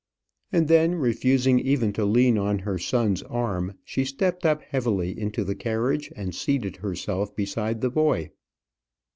And then, refusing even to lean on her son's arm, she stepped up heavily into the carriage, and seated herself beside the boy.